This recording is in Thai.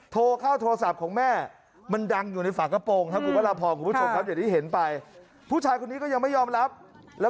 โทรเข้าโทรศัพท์ของแม่